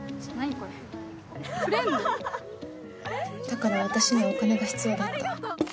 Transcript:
だから私にはお金が必要だった。